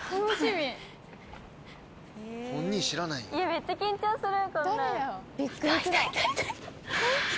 めっちゃ緊張する！